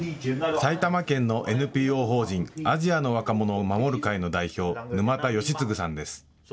埼玉県のＮＰＯ法人、アジアの若者を守る会の代表、沼田惠嗣さんです。